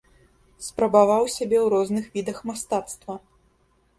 Спрабаваў сябе ў розных відах мастацтва.